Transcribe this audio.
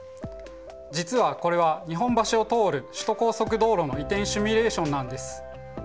実はこれは日本橋を通る首都高速道路の移転シミュレーションなんです。